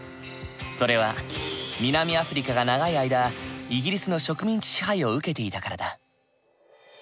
それは南アフリカが長い間イギリスの植民地支配を受けていたからだ。